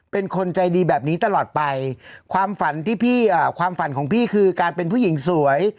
เป็นคนใจดีแบบนี้ตลอดไปความฝันที่พี่ความฝันของพี่คือการเป็นผู้หญิงสวย